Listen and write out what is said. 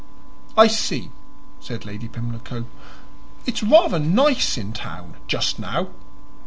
"I see," said Lady Pimlico. "It's rather nice in town just now."